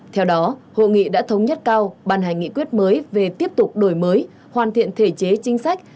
theo đó hội nghị đã thống nhất cao ban hành nghị quyết mới về tiếp tục đổi mới hoàn thiện thể chế chính sách